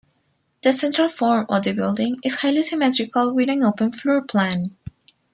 The central form of the building is highly symmetrical with an open floor plan.